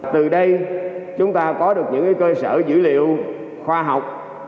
từ đây chúng ta có được những cơ sở dữ liệu khoa học